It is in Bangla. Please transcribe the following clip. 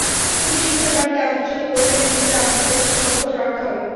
কিন্তু শিক্ষার মানকে আন্তর্জাতিক পর্যায়ে নিয়ে যেতে আমাদের প্রচেষ্টা অব্যাহত রাখতে হবে।